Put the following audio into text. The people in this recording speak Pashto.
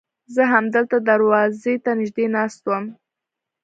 زه همدلته دروازې ته نږدې ناست وم.